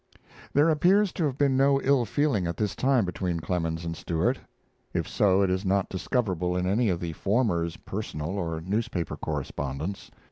There appears to have been no ill feeling at this time between Clemens and Stewart. If so, it is not discoverable in any of the former's personal or newspaper correspondence.